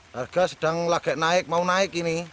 harga sedang lagi naik mau naik ini